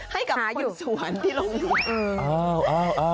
ให้กับคนสวรรค์ที่เราอยู่